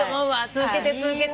続けて続けて。